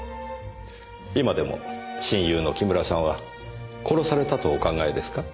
今でも親友の木村さんは殺されたとお考えですか。